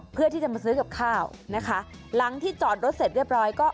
เพื่อที่จะมาซื้อกับข้าวนะคะหลังที่จอดรถเสร็จเรียบร้อยก็